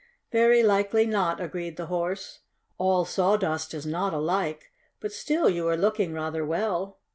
"Very likely not," agreed the Horse. "All sawdust is not alike. But still you are looking rather well."